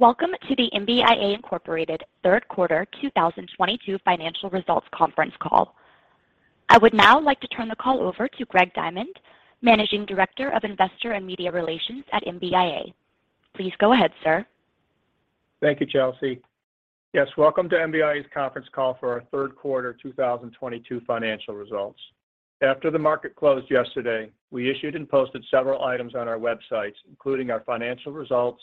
Welcome to the MBIA Inc. third quarter 2022 financial results conference call. I would now like to turn the call over to Greg Diamond, Managing Director of Investor and Media Relations at MBIA. Please go ahead, sir. Thank you, Chelsea. Yes, welcome to MBIA's conference call for our third quarter 2022 financial results. After the market closed yesterday, we issued and posted several items on our websites, including our financial results,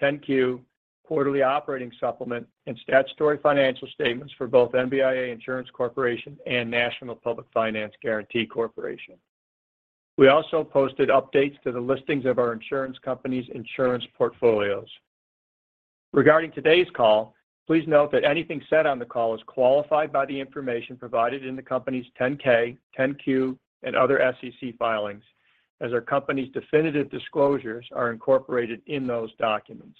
10-Q, quarterly operating supplement, and statutory financial statements for both MBIA Insurance Corporation and National Public Finance Guarantee Corporation. We also posted updates to the listings of our insurance company's insurance portfolios. Regarding today's call, please note that anything said on the call is qualified by the information provided in the company's 10-K, 10-Q, and other SEC filings as our company's definitive disclosures are incorporated in those documents.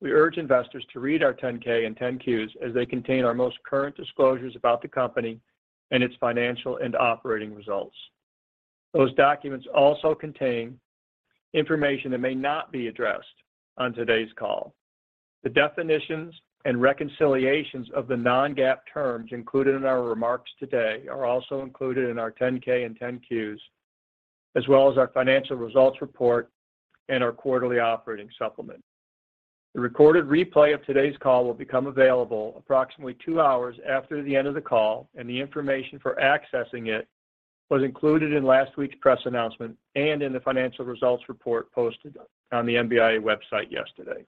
We urge investors to read our 10-K and 10-Qs as they contain our most current disclosures about the company and its financial and operating results. Those documents also contain information that may not be addressed on today's call. The definitions and reconciliations of the Non-GAAP terms included in our remarks today are also included in our 10-K and 10-Qs, as well as our financial results report and our quarterly operating supplement. The recorded replay of today's call will become available approximately 2 hours after the end of the call, and the information for accessing it was included in last week's press announcement and in the financial results report posted on the MBIA website yesterday.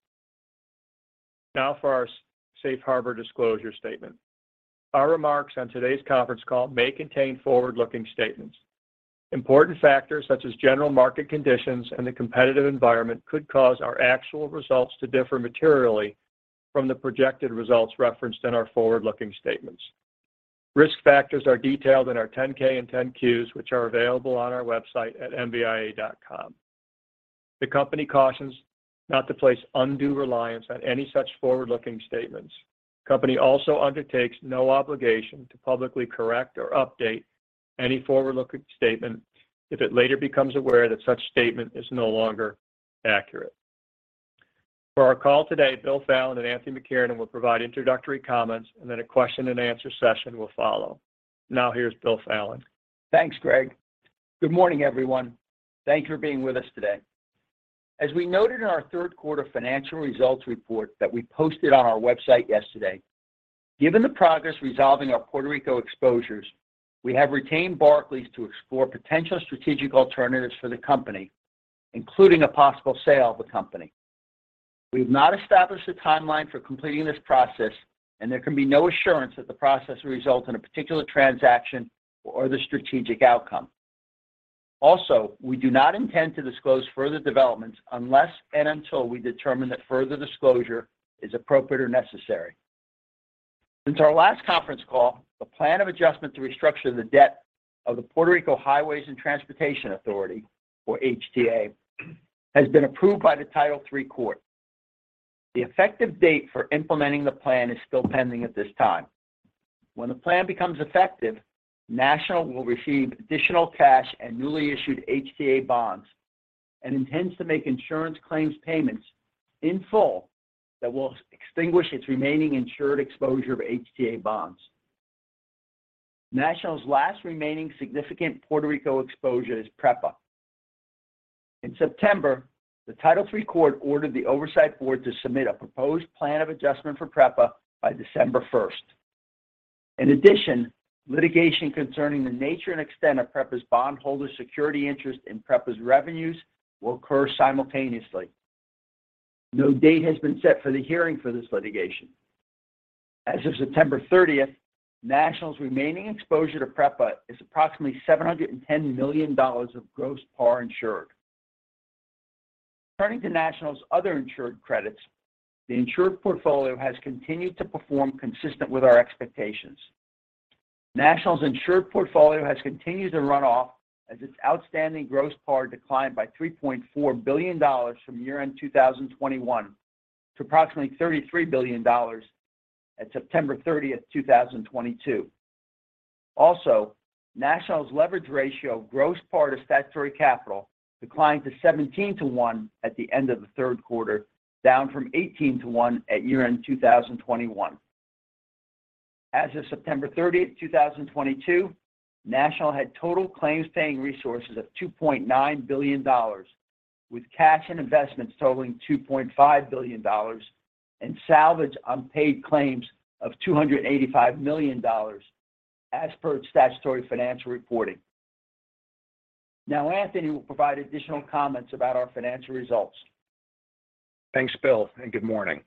Now for our safe harbor disclosure statement. Our remarks on today's conference call may contain forward-looking statements. Important factors such as general market conditions and the competitive environment could cause our actual results to differ materially from the projected results referenced in our forward-looking statements. Risk factors are detailed in our 10-K and 10-Qs, which are available on our website at mbia.com. The company cautions not to place undue reliance on any such forward-looking statements. The company also undertakes no obligation to publicly correct or update any forward-looking statement if it later becomes aware that such statement is no longer accurate. For our call today, Bill Fallon and Anthony McKiernan will provide introductory comments, and then a question and answer session will follow. Now here's Bill Fallon. Thanks, Greg. Good morning, everyone. Thank you for being with us today. As we noted in our third quarter financial results report that we posted on our website yesterday, given the progress resolving our Puerto Rico exposures, we have retained Barclays to explore potential strategic alternatives for the company, including a possible sale of the company. We've not established a timeline for completing this process, and there can be no assurance that the process will result in a particular transaction or other strategic outcome. Also, we do not intend to disclose further developments unless and until we determine that further disclosure is appropriate or necessary. Since our last conference call, the plan of adjustment to restructure the debt of the Puerto Rico Highways and Transportation Authority, or HTA, has been approved by the Title III Court. The effective date for implementing the plan is still pending at this time. When the plan becomes effective, National will receive additional cash and newly issued HTA bonds and intends to make insurance claims payments in full that will extinguish its remaining insured exposure of HTA bonds. National's last remaining significant Puerto Rico exposure is PREPA. In September, the Title III Court ordered the oversight board to submit a proposed plan of adjustment for PREPA by December 1st. In addition, litigation concerning the nature and extent of PREPA's bondholder security interest in PREPA's revenues will occur simultaneously. No date has been set for the hearing for this litigation. As of September 30th, National's remaining exposure to PREPA is approximately $710 million of gross par insured. Turning to National's other insured credits, the insured portfolio has continued to perform consistent with our expectations. National's insured portfolio has continued to run off as its outstanding gross par declined by $3.4 billion from year-end 2021 to approximately $33 billion at September 30th, 2022. National's leverage ratio of gross par to statutory capital declined to 17-to-1 at the end of the third quarter, down from 18-to-1 at year-end 2021. As of September 30th, 2022, National had total claims-paying resources of $2.9 billion, with cash and investments totaling $2.5 billion and salvaged unpaid claims of $285 million as per its statutory financial reporting. Anthony will provide additional comments about our financial results. Thanks, Bill, and good morning.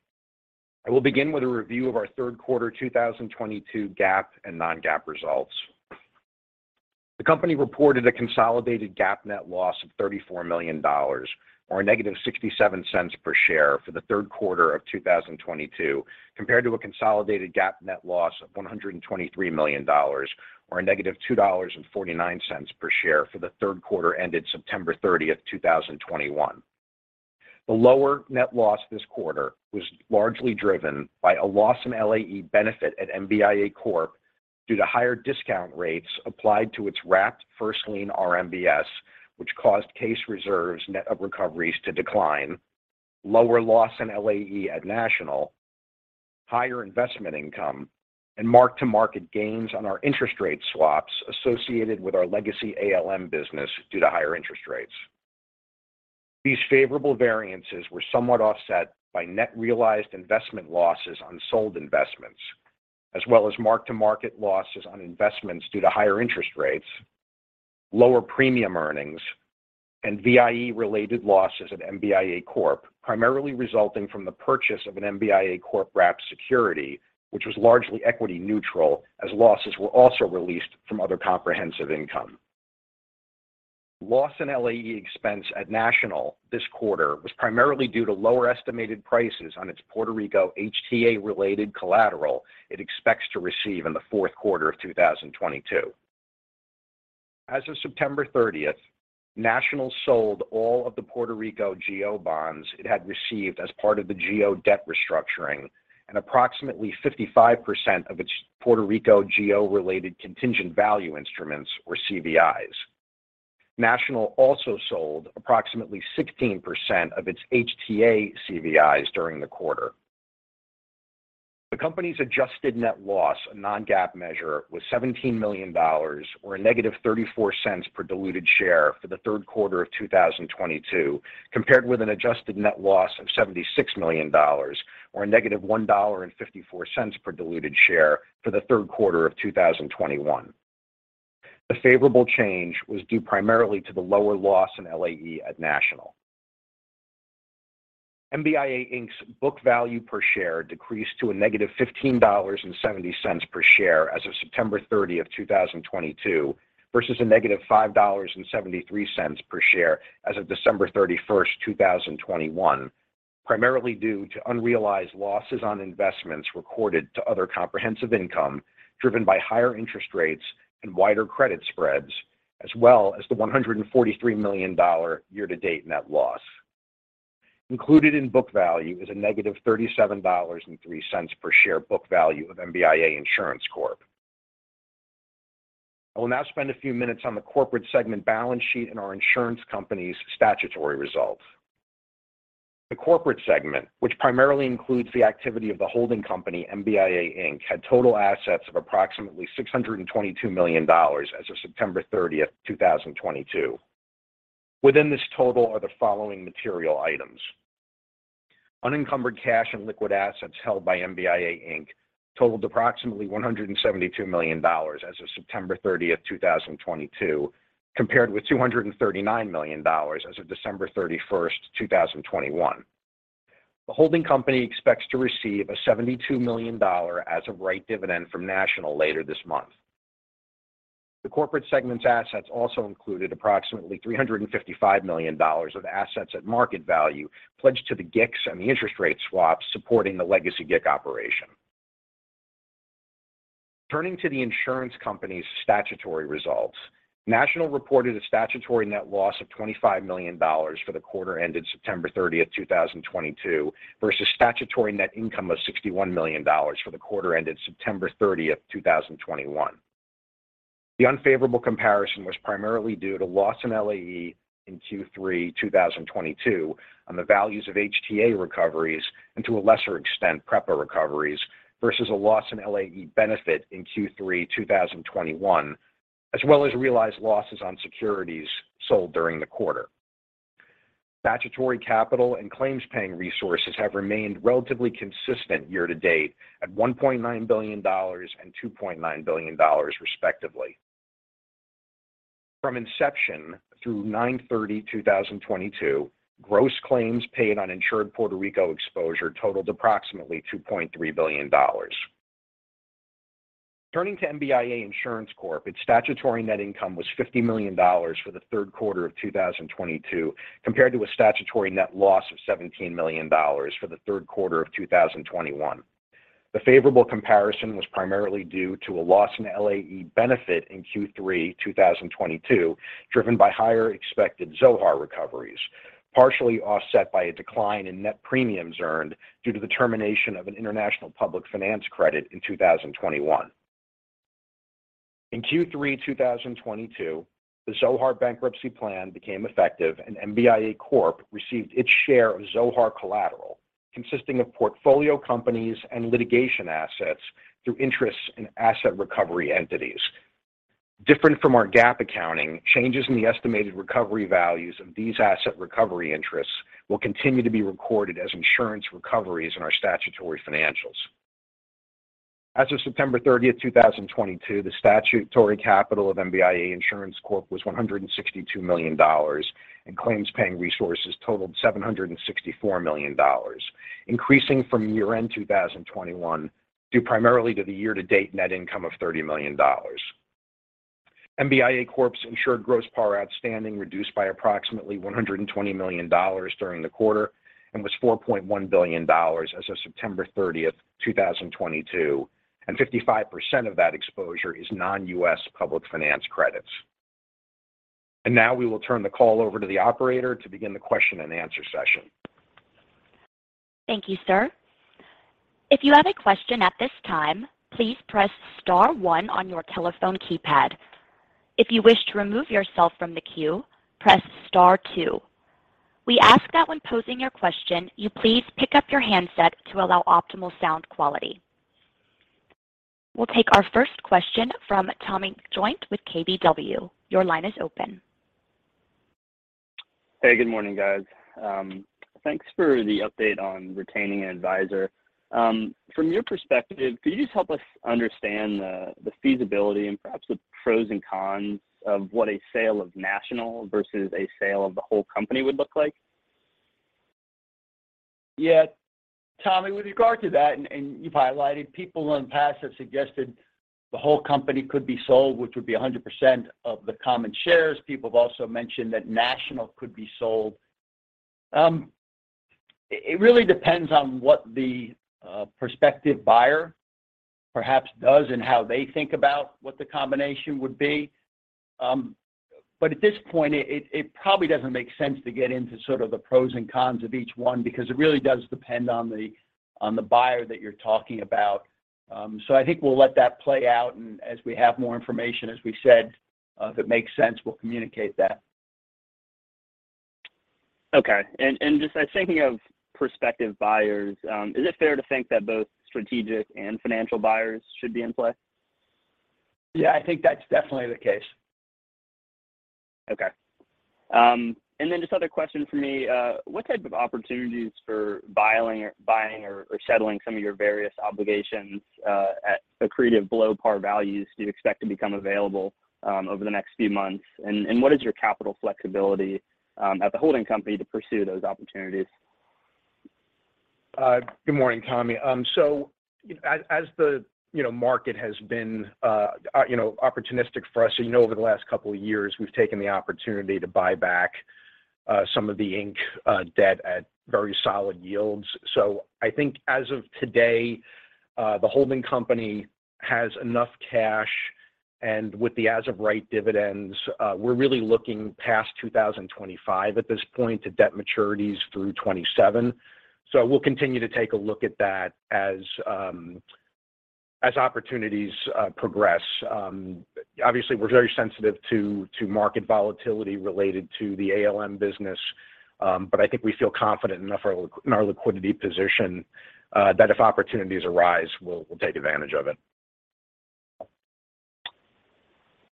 I will begin with a review of our third quarter 2022 GAAP and Non-GAAP results. The company reported a consolidated GAAP net loss of $34 million or -$0.67 per share for the third quarter of 2022, compared to a consolidated GAAP net loss of $123 million or -$2.49 per share for the third quarter ended September 30th, 2021. The lower net loss this quarter was largely driven by a loss in LAE benefit at MBIA Corp. Due to higher discount rates applied to its wrapped first lien RMBS, which caused case reserves net of recoveries to decline, lower loss in LAE at National, higher investment income, and mark-to-market gains on our interest rate swaps associated with our legacy ALM business due to higher interest rates. These favorable variances were somewhat offset by net realized investment losses on sold investments, as well as mark-to-market losses on investments due to higher interest rates, lower premium earnings, and VIE-related losses at MBIA Corp, primarily resulting from the purchase of an MBIA Corp wrapped security, which was largely equity neutral as losses were also released from other comprehensive income. Loss in LAE expense at National this quarter was primarily due to lower estimated prices on its Puerto Rico HTA-related collateral it expects to receive in the fourth quarter of 2022. As of September thirtieth, National sold all of the Puerto Rico GO bonds it had received as part of the GO debt restructuring and approximately 55% of its Puerto Rico GO-related contingent value instruments or CVIs. National also sold approximately 16% of its HTA CVIs during the quarter. The company's adjusted net loss, a Non-GAAP measure, was $17 million or (-$0.34) per diluted share for the third quarter of 2022, compared with an adjusted net loss of $76 million or (-$1.54) per diluted share for the third quarter of 2021. The favorable change was due primarily to the lower loss in LAE at National. MBIA Inc.'s book value per share decreased to a -$15.70 per share as of September 30th, 2022 versus a -$5.73 per share as of December 31th, 2021, primarily due to unrealized losses on investments recorded to other comprehensive income driven by higher interest rates and wider credit spreads, as well as the $143 million year-to-date net loss. Included in book value is a -$37.03 per share book value of MBIA Insurance Corp. I will now spend a few minutes on the corporate segment balance sheet and our insurance company's statutory results. The corporate segment, which primarily includes the activity of the holding company, MBIA Inc., had total assets of approximately $622 million as of September 30th, 2022. Within this total are the following material items. Unencumbered cash and liquid assets held by MBIA Inc. totaled approximately $172 million as of September 30th, 2022, compared with $239 million as of December 31th, 2021. The holding company expects to receive a $72 million as of right dividend from National later this month. The corporate segment's assets also included approximately $355 million of assets at market value pledged to the GICs and the interest rate swaps supporting the legacy GIC operation. Turning to the insurance company's statutory results, National reported a statutory net loss of $25 million for the quarter ended September 30th, 2022 versus statutory net income of $61 million for the quarter ended September 30th, 2021. The unfavorable comparison was primarily due to loss in LAE in Q3 2022 on the values of HTA recoveries and to a lesser extent, PREPA recoveries versus a loss in LAE benefit in Q3 2021, as well as realized losses on securities sold during the quarter. Statutory capital and claims-paying resources have remained relatively consistent year-to-date at $1.9 billion and $2.9 billion, respectively. From inception through 9/30/2022, gross claims paid on insured Puerto Rico exposure totaled approximately $2.3 billion. Turning to MBIA Insurance Corp., its statutory net income was $50 million for the third quarter of 2022, compared to a statutory net loss of $17 million for the third quarter of 2021. The favorable comparison was primarily due to a loss in LAE benefit in Q3 2022, driven by higher expected Zohar recoveries, partially offset by a decline in net premiums earned due to the termination of an international public finance credit in 2021. In Q3 2022, the Zohar bankruptcy plan became effective and MBIA Corp received its share of Zohar collateral, consisting of portfolio companies and litigation assets through interests in asset recovery entities. Different from our GAAP accounting, changes in the estimated recovery values of these asset recovery interests will continue to be recorded as insurance recoveries in our statutory financials. As of September 30th, 2022, the statutory capital of MBIA Insurance Corp. was $162 million, and claims-paying resources totaled $764 million, increasing from year-end two thousand twenty-one due primarily to the year-to-date net income of $30 million. MBIA Corp.'s insured gross par outstanding reduced by approximately $120 million during the quarter and was $4.1 billion as of September thirtieth, two thousand twenty-two, and 55% of that exposure is non-U.S. public finance credits. Now we will turn the call over to the operator to begin the question and answer session. Thank you, sir. If you have a question at this time, please press star one on your telephone keypad. If you wish to remove yourself from the queue, press star two. We ask that when posing your question, you please pick up your handset to allow optimal sound quality. We'll take our first question from Tommy McJoynt with KBW. Your line is open. Hey, good morning, guys. Thanks for the update on retaining an advisor. From your perspective, could you just help us understand the feasibility and perhaps the pros and cons of what a sale of National versus a sale of the whole company would look like? Yeah. Tommy, with regard to that, and you've highlighted, people in the past have suggested the whole company could be sold, which would be 100% of the common shares. People have also mentioned that National could be sold. It really depends on what the prospective buyer perhaps does and how they think about what the combination would be. At this point, it probably doesn't make sense to get into sort of the pros and cons of each one because it really does depend on the buyer that you're talking about. I think we'll let that play out. As we have more information, as we said, if it makes sense, we'll communicate that. Just thinking of prospective buyers, is it fair to think that both strategic and financial buyers should be in play? Yeah, I think that's definitely the case. Okay. Just other question for me, what type of opportunities for buying or settling some of your various obligations at accretive below par values do you expect to become available over the next few months? What is your capital flexibility at the holding company to pursue those opportunities? Good morning, Tommy. As the, you know, market has been, you know, opportunistic for us, you know, over the last couple of years, we've taken the opportunity to buy back some of the Inc. debt at very solid yields. I think as of today, the holding company has enough cash, and with the as of right dividends, we're really looking past 2025 at this point to debt maturities through 2027. We'll continue to take a look at that as opportunities progress. Obviously, we're very sensitive to market volatility related to the ALM business. I think we feel confident enough in our liquidity position that if opportunities arise, we'll take advantage of it.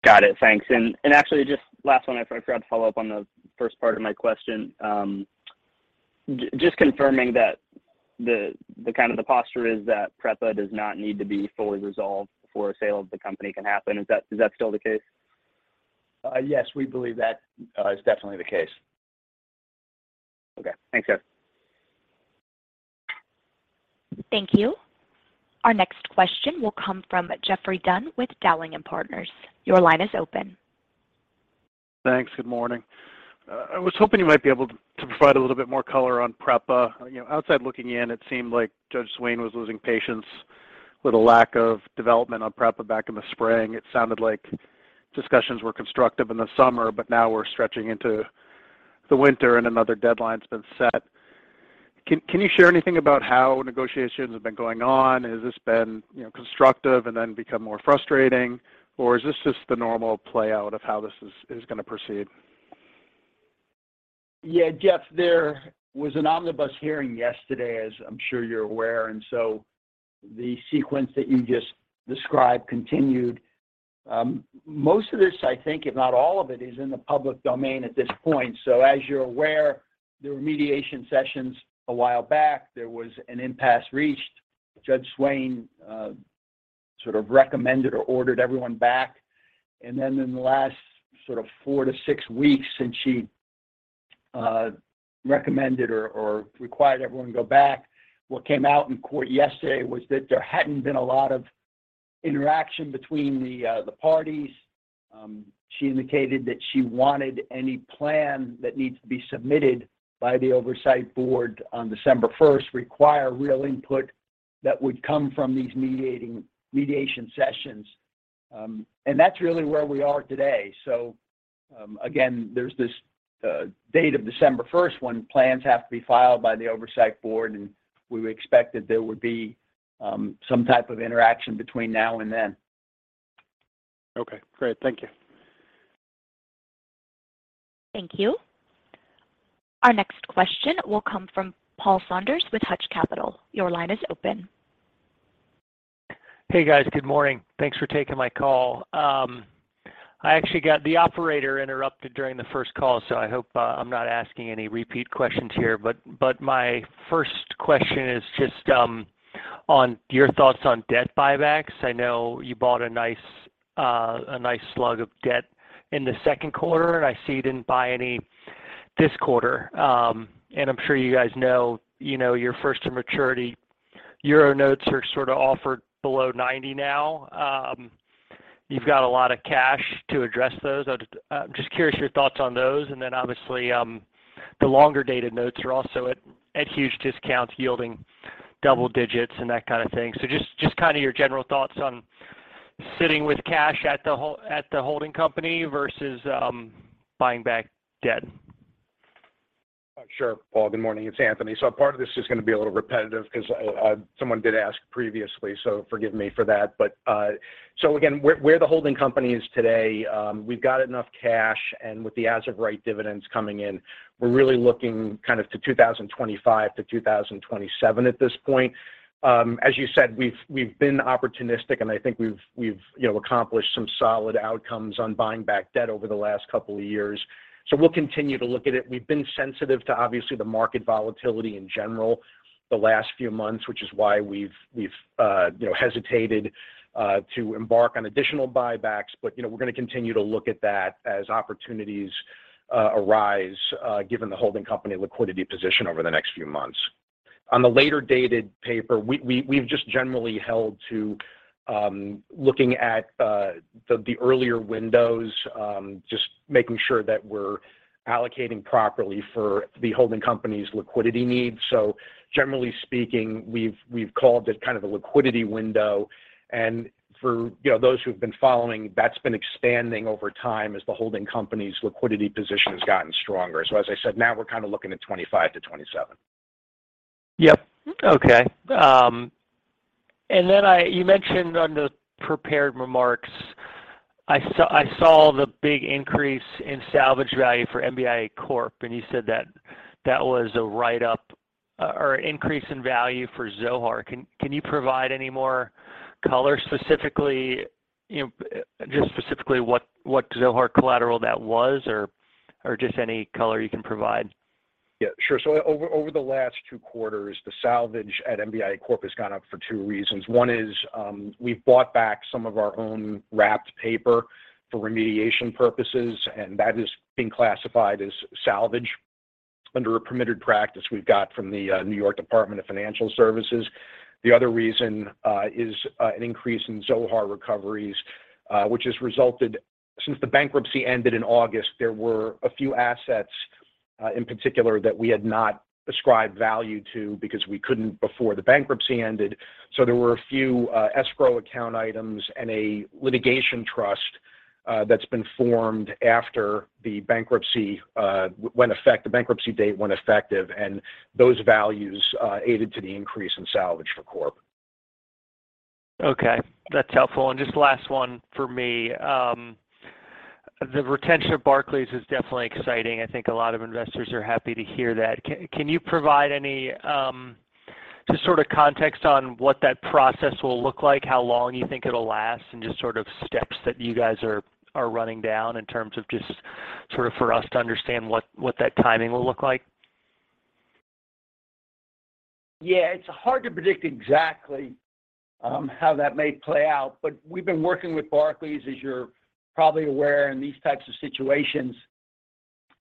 Got it. Thanks. Actually, just last one, I forgot to follow up on the first part of my question. Just confirming that the kind of the posture is that PREPA does not need to be fully resolved before a sale of the company can happen. Is that still the case? Yes, we believe that is definitely the case. Okay. Thanks, guys. Thank you. Our next question will come from Geoffrey Dunn with Dowling & Partners. Your line is open. Thanks. Good morning. I was hoping you might be able to provide a little bit more color on PREPA. You know, outside looking in, it seemed like Judge Swain was losing patience with a lack of development on PREPA back in the spring. It sounded like discussions were constructive in the summer, but now we're stretching into the winter and another deadline's been set. Can you share anything about how negotiations have been going on? Has this been, you know, constructive and then become more frustrating? Or is this just the normal play out of how this is gonna proceed? Yeah. Geoff, there was an omnibus hearing yesterday, as I'm sure you're aware, and so the sequence that you just described continued. Most of this, I think, if not all of it, is in the public domain at this point. As you're aware, there were mediation sessions a while back. There was an impasse reached. Judge Swain sort of recommended or ordered everyone back. Then in the last sort of 4 weeks-6 weeks since she recommended or required everyone to go back, what came out in court yesterday was that there hadn't been a lot of interaction between the parties. She indicated that she wanted any plan that needs to be submitted by the oversight board on December first require real input that would come from these mediation sessions. That's really where we are today. Again, there's this date of December first when plans have to be filed by the oversight board, and we would expect that there would be some type of interaction between now and then. Okay, great. Thank you. Thank you. Our next question will come from Paul Saunders with Hutch Capital. Your line is open. Hey, guys. Good morning. Thanks for taking my call. I actually got the operator interrupted during the first call, so I hope I'm not asking any repeat questions here. My first question is just on your thoughts on debt buybacks. I know you bought a nice slug of debt in the second quarter, and I see you didn't buy any this quarter. I'm sure you guys know, you know, your first to maturity euro notes are sort of offered below 90 now. You've got a lot of cash to address those. I'm just curious your thoughts on those. Then obviously, the longer-dated notes are also at huge discounts yielding double digits and that kind of thing. Just kinda your general thoughts on sitting with cash at the holding company versus buying back debt. Sure, Paul. Good morning. It's Anthony. Part of this is gonna be a little repetitive because someone did ask previously, so forgive me for that. Again, where the holding company is today, we've got enough cash, and with the as-of-right dividends coming in, we're really looking kind of to 2025-2027 at this point. As you said, we've been opportunistic, and I think we've you know accomplished some solid outcomes on buying back debt over the last couple of years. We'll continue to look at it. We've been sensitive to obviously the market volatility in general the last few months, which is why we've you know hesitated to embark on additional buybacks. You know, we're gonna continue to look at that as opportunities arise, given the holding company liquidity position over the next few months. On the later-dated paper, we've just generally held to looking at the earlier windows, just making sure that we're allocating properly for the holding company's liquidity needs. Generally speaking, we've called it kind of a liquidity window. For, you know, those who've been following, that's been expanding over time as the holding company's liquidity position has gotten stronger. As I said, now we're kinda looking at 2025-2027. Yep. Okay. You mentioned on the prepared remarks, I saw the big increase in salvage value for MBIA Corp, and you said that was a write-up or increase in value for Zohar. Can you provide any more color specifically, you know, just specifically what Zohar collateral that was or just any color you can provide? Yeah, sure. Over the last two quarters, the salvage at MBIA Corp has gone up for two reasons. One is, we've bought back some of our own wrapped paper for remediation purposes, and that is being classified as salvage under a permitted practice we've got from the New York Department of Financial Services. The other reason is an increase in Zohar recoveries, which has resulted. Since the bankruptcy ended in August, there were a few assets in particular that we had not ascribed value to because we couldn't before the bankruptcy ended. There were a few escrow account items and a litigation trust that's been formed after the bankruptcy date went effective, and those values added to the increase in salvage for Corp. Okay, that's helpful. Just last one for me. The retention of Barclays is definitely exciting. I think a lot of investors are happy to hear that. Can you provide any, just sort of context on what that process will look like, how long you think it'll last, and just sort of steps that you guys are running down in terms of just sort of for us to understand what that timing will look like? Yeah. It's hard to predict exactly how that may play out. We've been working with Barclays, as you're probably aware, in these types of situations.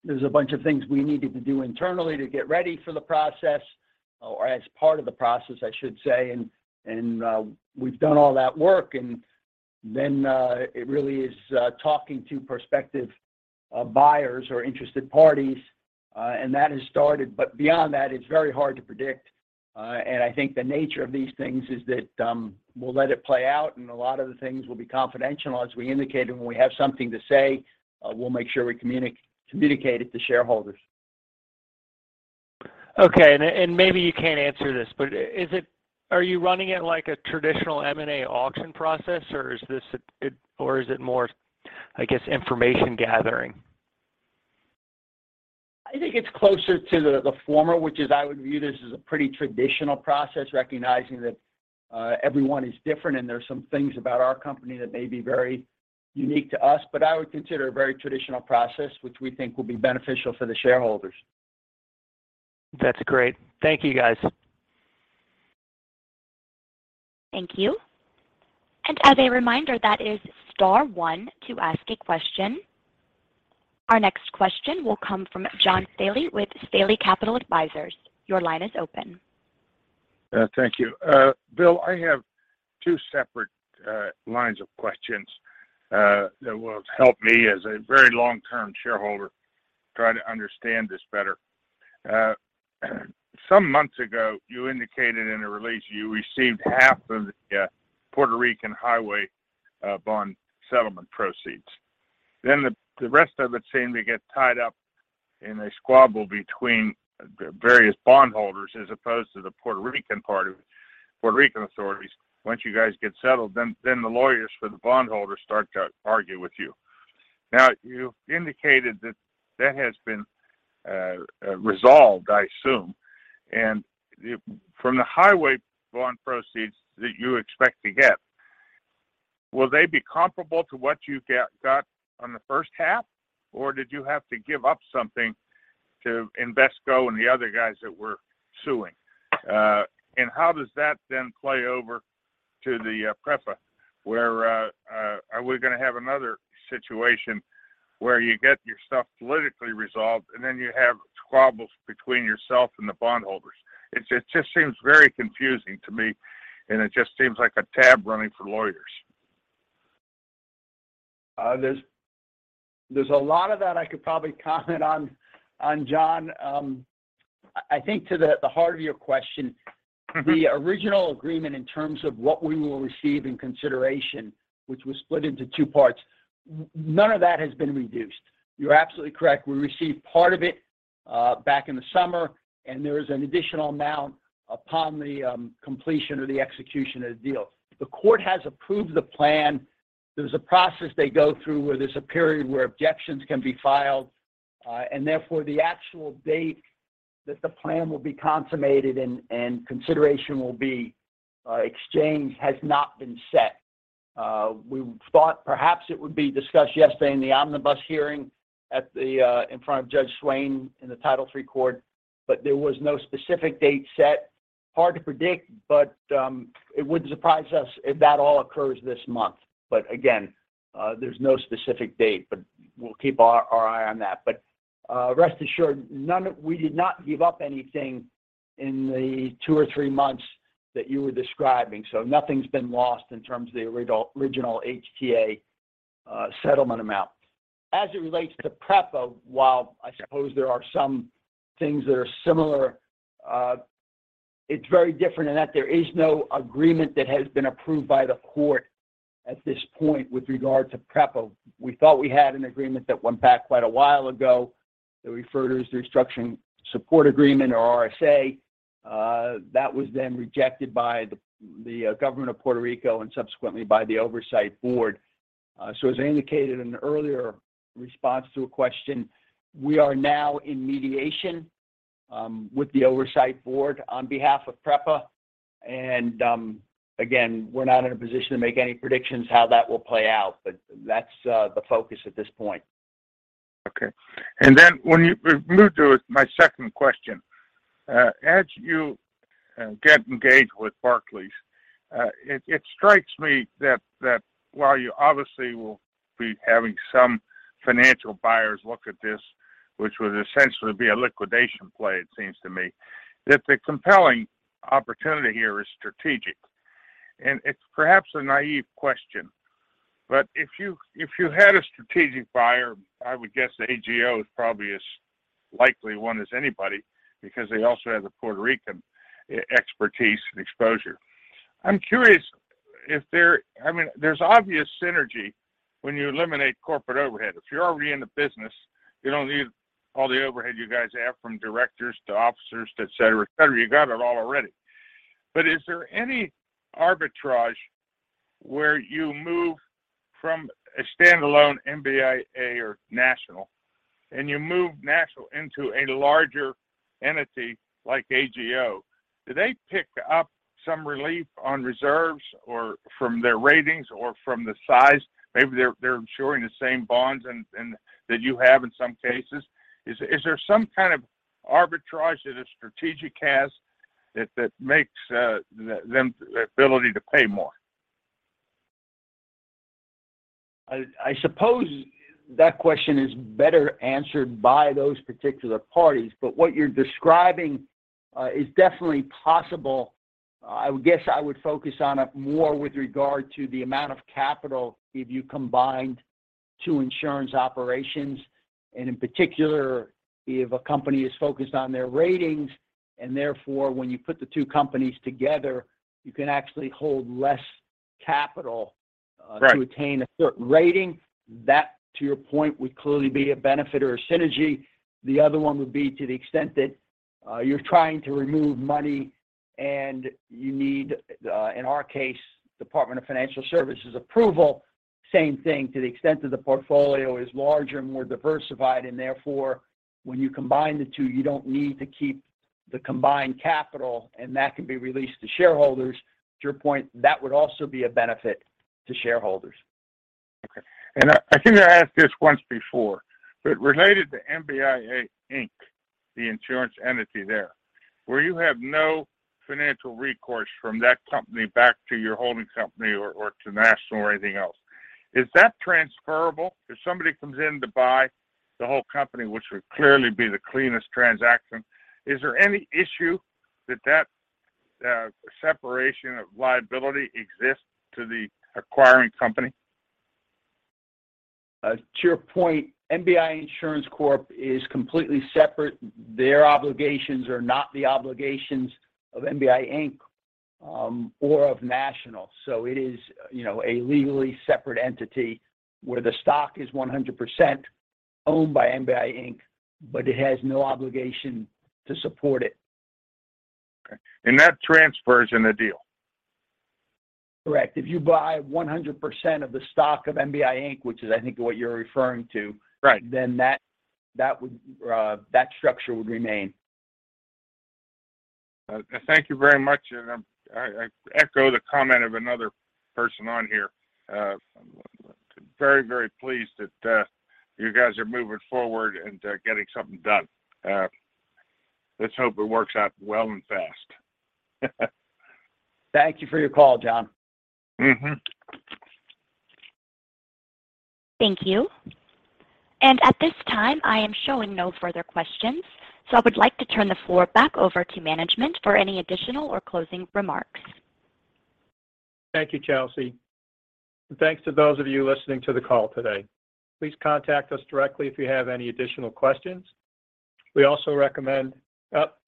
There's a bunch of things we needed to do internally to get ready for the process or as part of the process, I should say. We've done all that work, and then it really is talking to prospective buyers or interested parties, and that has started. Beyond that, it's very hard to predict. I think the nature of these things is that we'll let it play out, and a lot of the things will be confidential. As we indicated, when we have something to say, we'll make sure we communicate it to shareholders. Okay. Maybe you can't answer this, but are you running it like a traditional M&A auction process, or is it more, I guess, information gathering? I think it's closer to the former, which is I would view this as a pretty traditional process, recognizing that everyone is different and there's some things about our company that may be very unique to us. I would consider it a very traditional process, which we think will be beneficial for the shareholders. That's great. Thank you, guys. Thank you. As a reminder, that is star one to ask a question. Our next question will come from John Thaly with Thaly Capital Advisors. Your line is open. Thank you. Bill, I have two separate lines of questions that will help me as a very long-term shareholder try to understand this better. Some months ago, you indicated in a release you received half of the Puerto Rican highway bond settlement proceeds. Then the rest of it seemed to get tied up in a squabble between the various bondholders as opposed to the Puerto Rican authorities. Once you guys get settled, then the lawyers for the bondholders start to argue with you. Now, you indicated that that has been resolved, I assume. From the highway bond proceeds that you expect to get, will they be comparable to what you got on the first half, or did you have to give up something to Invesco and the other guys that were suing? How does that then play over to the PREPA, where are we gonna have another situation where you get your stuff politically resolved, and then you have squabbles between yourself and the bondholders? It just seems very confusing to me, and it just seems like a running tab for lawyers. There's a lot of that I could probably comment on, John. I think to the heart of your question. Mm-hmm. The original agreement in terms of what we will receive in consideration, which was split into two parts, none of that has been reduced. You're absolutely correct. We received part of it back in the summer, and there is an additional amount upon the completion or the execution of the deal. The court has approved the plan. There's a process they go through where there's a period where objections can be filed, and therefore the actual date that the plan will be consummated and consideration will be exchanged has not been set. We thought perhaps it would be discussed yesterday in the omnibus hearing in front of Judge Swain in the Title III court, but there was no specific date set. Hard to predict, but it wouldn't surprise us if that all occurs this month. Again, there's no specific date, but we'll keep our eye on that. Rest assured, we did not give up anything in the two or three months that you were describing, so nothing's been lost in terms of the original HTA settlement amount. As it relates to PREPA, while I suppose there are some things that are similar, it's very different in that there is no agreement that has been approved by the court at this point with regard to PREPA. We thought we had an agreement that went back quite a while ago, that we refer to as the Restructuring Support Agreement or RSA. That was then rejected by the government of Puerto Rico and subsequently by the oversight board. As I indicated in an earlier response to a question, we are now in mediation with the oversight board on behalf of PREPA, and again, we're not in a position to make any predictions how that will play out, but that's the focus at this point. Okay. When you move to my second question. As you get engaged with Barclays, it strikes me that while you obviously will be having some financial buyers look at this, which would essentially be a liquidation play, it seems to me that the compelling opportunity here is strategic. It's perhaps a naive question, but if you had a strategic buyer, I would guess AGO is probably as likely one as anybody because they also have the Puerto Rican expertise and exposure. I'm curious if there. I mean, there's obvious synergy when you eliminate corporate overhead. If you're already in the business, you don't need all the overhead you guys have from directors to officers to et cetera, et cetera. You got it all already. Is there any arbitrage where you move from a standalone MBIA or National and you move National into a larger entity like AGO? Do they pick up some relief on reserves or from their ratings or from the size? Maybe they're insuring the same bonds and that you have in some cases. Is there some kind of arbitrage that a strategic has that makes them the ability to pay more? I suppose that question is better answered by those particular parties, but what you're describing is definitely possible. I would guess I would focus on it more with regard to the amount of capital if you combined two insurance operations, and in particular, if a company is focused on their ratings, and therefore, when you put the two companies together, you can actually hold less capital. Right. to attain a certain rating. That, to your point, would clearly be a benefit or a synergy. The other one would be to the extent that you're trying to remove money, and you need, in our case, Department of Financial Services approval, same thing to the extent that the portfolio is larger and more diversified, and therefore, when you combine the two, you don't need to keep the combined capital, and that can be released to shareholders. To your point, that would also be a benefit to shareholders. Okay. I think I asked this once before, but related to MBIA Inc., the insurance entity there, where you have no financial recourse from that company back to your holding company or to National or anything else. Is that transferable if somebody comes in to buy the whole company, which would clearly be the cleanest transaction? Is there any issue that separation of liability exists to the acquiring company? To your point, MBIA Insurance Corporation is completely separate. Their obligations are not the obligations of MBIA Inc., or of National. It is a legally separate entity where the stock is 100% owned by MBIA Inc., but it has no obligation to support it. Okay. That transfers in the deal? Correct. If you buy 100% of the stock of MBIA Inc., which is, I think, what you're referring to. Right. That structure would remain. Thank you very much, and I echo the comment of another person on here. Very pleased that you guys are moving forward and getting something done. Let's hope it works out well and fast. Thank you for your call, John. Mm-hmm. Thank you. At this time, I am showing no further questions. I would like to turn the floor back over to management for any additional or closing remarks. Thank you, Chelsea. Thanks to those of you listening to the call today. Please contact us directly if you have any additional questions.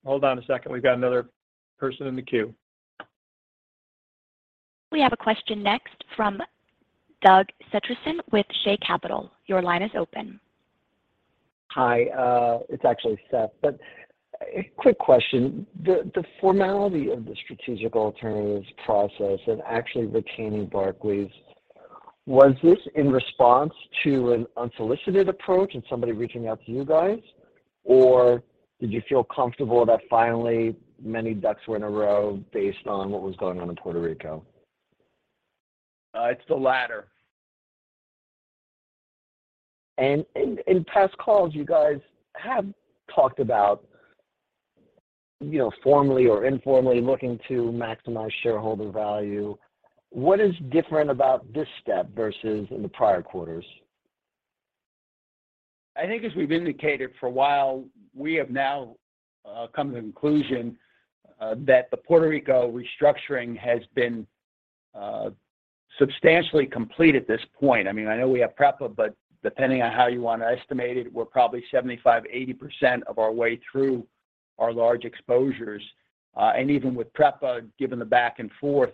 Hold on a second. We've got another person in the queue. We have a question next from Doug Cetruson with Shea Capital. Your line is open. Hi, it's actually Seth. A quick question. The formality of the strategic alternatives process and actually retaining Barclays, was this in response to an unsolicited approach and somebody reaching out to you guys? Or did you feel comfortable that finally many ducks were in a row based on what was going on in Puerto Rico? It's the latter. In past calls, you guys have talked about, you know, formally or informally looking to maximize shareholder value. What is different about this step versus in the prior quarters? I think as we've indicated for a while, we have now come to the conclusion that the Puerto Rico restructuring has been substantially complete at this point. I mean, I know we have PREPA, but depending on how you wanna estimate it, we're probably 75%-80% of our way through our large exposures. Even with PREPA, given the back and forth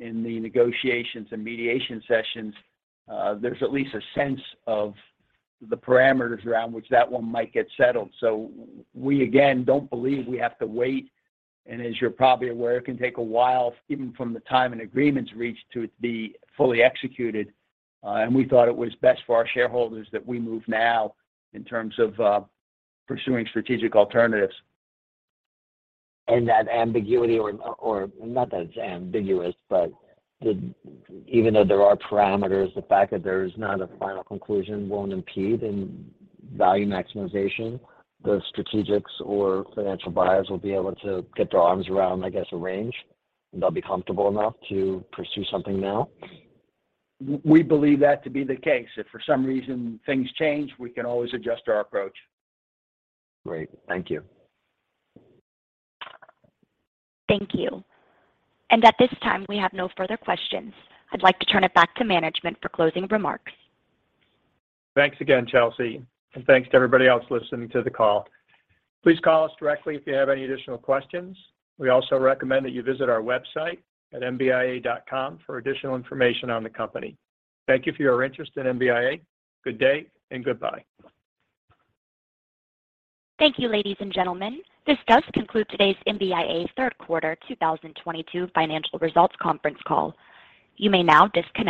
in the negotiations and mediation sessions, there's at least a sense of the parameters around which that one might get settled. We, again, don't believe we have to wait. As you're probably aware, it can take a while even from the time an agreement's reached to be fully executed. We thought it was best for our shareholders that we move now in terms of pursuing strategic alternatives. that ambiguity or not that it's ambiguous, but even though there are parameters, the fact that there's not a final conclusion won't impede in value maximization. The strategic or financial buyers will be able to get their arms around, I guess, a range, and they'll be comfortable enough to pursue something now? We believe that to be the case. If for some reason things change, we can always adjust our approach. Great. Thank you. Thank you. At this time, we have no further questions. I'd like to turn it back to management for closing remarks. Thanks again, Chelsea. Thanks to everybody else listening to the call. Please call us directly if you have any additional questions. We also recommend that you visit our website at mbia.com for additional information on the company. Thank you for your interest in MBIA. Good day and goodbye. Thank you, ladies and gentlemen. This does conclude today's MBIA third quarter 2022 financial results conference call. You may now disconnect your